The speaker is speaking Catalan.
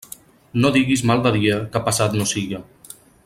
No digues mal del dia, que passat no siga.